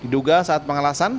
diduga saat pengelasan